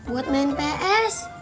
buat main ps